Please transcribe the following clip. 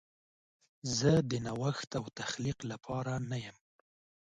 زه د نوښت او تخلیق لپاره نه یم.